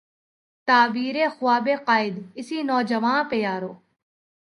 تعبیر ء خواب ء قائد، اسی نوجواں پہ یارو